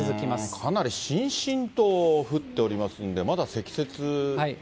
かなりしんしんと降っておりますんで、まだ積雪。